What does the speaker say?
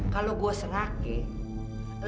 kalau gue serake